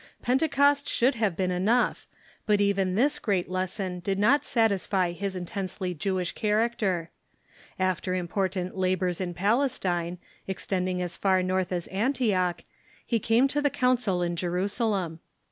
Pentecost should have been enough, but even this great lesson did not satisfy his intensely Jewish character. After important labors in Palestine, extending as far north as Antioch, he came to the council in Jerusalem.